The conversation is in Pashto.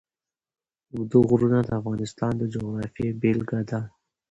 اوږده غرونه د افغانستان د جغرافیې بېلګه ده.